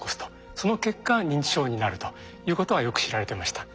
その結果認知症になるということはよく知られてました。